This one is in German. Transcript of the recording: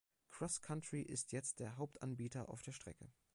Cross-Country ist jetzt der Hauptanbieter auf der Strecke.